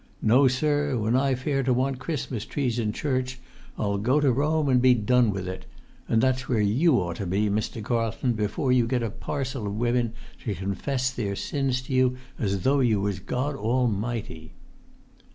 No, sir, when I fare to want Christmas trees in church I'll go to Rome and be done with it; and that's where you ought to be, Mr. Carlton, before you get a parcel of women to confess their sins to you as though you was God Almighty!"